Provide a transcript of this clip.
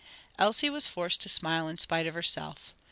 Elsie was forced to smile in spite of herself.